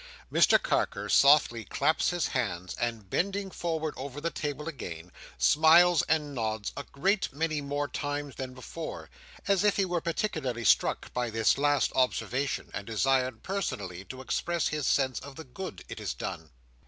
Mr Carker softly claps his hands, and bending forward over the table again, smiles and nods a great many more times than before, as if he were particularly struck by this last observation, and desired personally to express his sense of the good it has done.